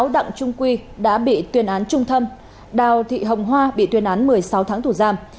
đặng trung quy đã bị tuyên án trung thân đào thị hồng hoa bị tuyên án một mươi sáu tháng tù giam